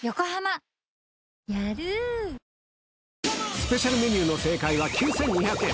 スペシャルメニューの正解は９２００円。